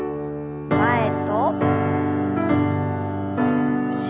前と後ろへ。